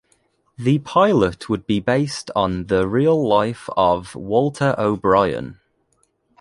The pilot would be based on the real life of Walter O'Brien.